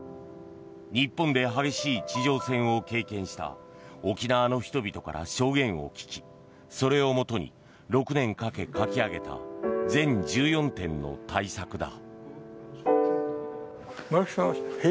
日本で激しい地上戦を経験した沖縄の人々から証言を聞きそれをもとに６年かけ描き上げた全１４点の大作だ。